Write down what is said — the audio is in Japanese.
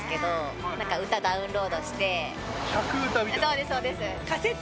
そうです、そうです！